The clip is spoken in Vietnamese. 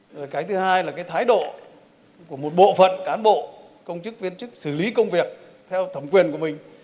rồi cái thứ hai là cái thái độ của một bộ phận cán bộ công chức viên chức xử lý công việc theo thẩm quyền của mình